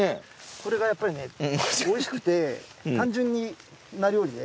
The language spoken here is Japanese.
これがやっぱり美味しくて単純な料理で。